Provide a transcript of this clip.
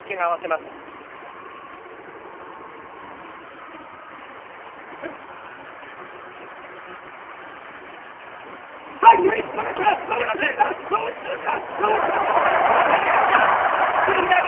すくい投げ。